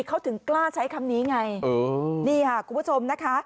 เขาถึงกล้าใช้คำนี้ไงนี่ค่ะคุณผู้ชมนะคะ